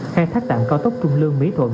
khai thác tạm cao tốc trung lương mỹ thuận